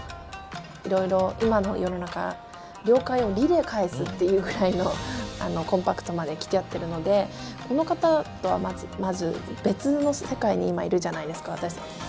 いろいろ今の世の中「了解」を「り」で返すっていうくらいのあのコンパクトまで来ちゃってるのでこの方とはまず別の世界に今いるじゃないですか私たちって。